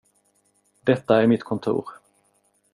Detta är mitt kontor.